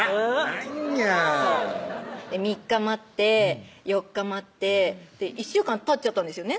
なんや３日待って４日待って１週間たっちゃったんですよね